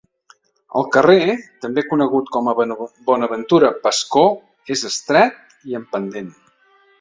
El carrer, també conegut com a Bonaventura Pascó, és estret i amb pendent.